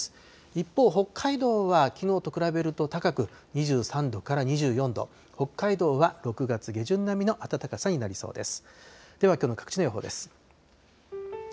一方、北海道はきのうと比べると高く、２３度から２４度、北海道は６月下旬並みの暖かさになりそうです。